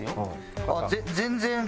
あっ全然。